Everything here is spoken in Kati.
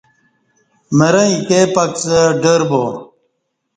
مرہ ایکے پکڅہ ڈربو